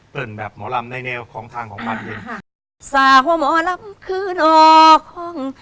แต่งแบบหมอรำในแนวของทางของบานเย็น